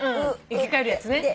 生き返るやつね。